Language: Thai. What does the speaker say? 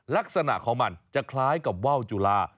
ลักษณะของมันจะคล้ายกับว่าวจุลา